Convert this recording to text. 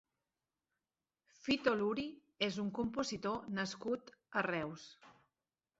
Fito Luri és un compositor nascut a Reus.